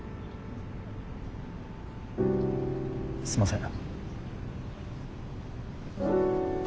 すみません。